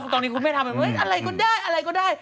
ตอนนี้คุณแม่ทำแบบเฮ้ยอะไรก็ได้อะไรก็ได้